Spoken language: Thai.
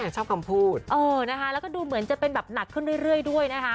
ชอบคำพูดเออนะคะแล้วก็ดูเหมือนจะเป็นแบบหนักขึ้นเรื่อยด้วยนะคะ